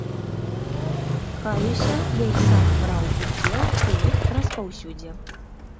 Каюся, я і сам браў удзел у іх распаўсюдзе.